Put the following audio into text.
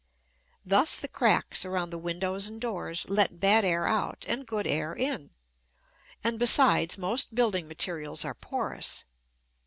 Thus, the cracks around the windows and doors let bad air out and good air in; and, besides, most building materials are porous.